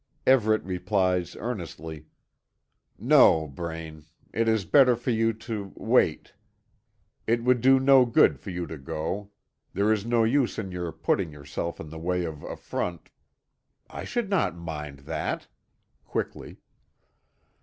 Everet replies earnestly: "No, Braine. It is better for you to wait. It would do no good for you to go. There is no use in your putting yourself in the way of affront " "I should not mind that," quickly.